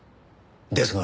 ですが。